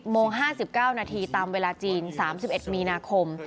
โมง๕๙นาทีตามเวลาจีน๓๑มีนาคม